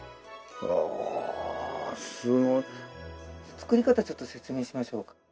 作り方ちょっと説明しましょうか？